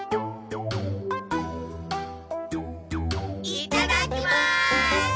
いただきます！